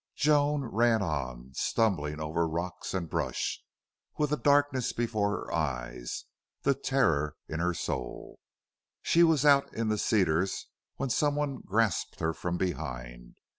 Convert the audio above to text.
3 Joan ran on, stumbling over rocks and brush, with a darkness before her eyes, the terror in her soul. She was out in the cedars when someone grasped her from behind.